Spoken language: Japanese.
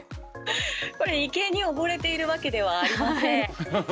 これ池に溺れているわけではありません。